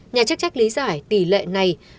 nhà chức trách lý giải tỷ lệ này